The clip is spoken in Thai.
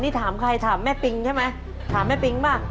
นี่ถามใครถามแม่ปิงใช่ไหม